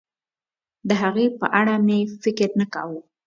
د هغې په اړه مې فکر نه کاوه.